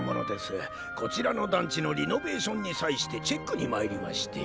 こちらの団地のリノベーションに際してチェックに参りまして。